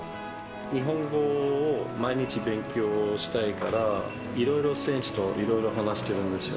日本語を毎日勉強したいから、いろいろ選手といろいろ話してるんですよ。